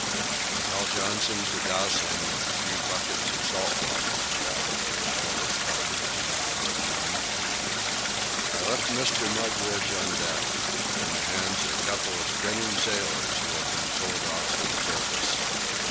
"And tell Johnson to douse him with a few buckets of salt water," he added, in a lower tone for my ear alone. I left Mr. Mugridge on deck, in the hands of a couple of grinning sailors who had been told off for the purpose.